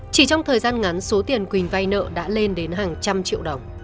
chỉ trong thời gian ngắn số tiền quỳnh vay nợ đã lên đến hàng trăm triệu đồng